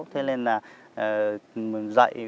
thế nên là dạy